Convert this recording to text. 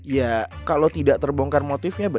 ya kalau tidak terbongkar motifnya